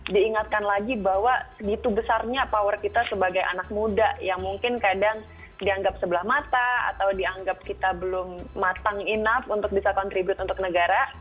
diingatkan lagi bahwa segitu besarnya power kita sebagai anak muda yang mungkin kadang dianggap sebelah mata atau dianggap kita belum matang enough untuk bisa kontribute untuk negara